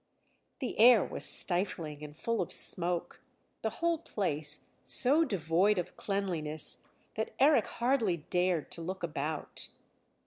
The air was stifling and full of smoke, the whole place so devoid of cleanliness that Eric hardly dared to look about.